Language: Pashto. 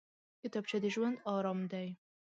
کتابچه د ژوند ارام دی